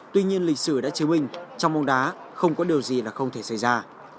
tuy nhiên lịch sử đã chứng minh trong bóng đá không có điều gì là không thể xảy ra